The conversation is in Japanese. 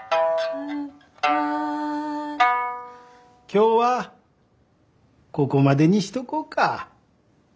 今日はここまでにしとこうか。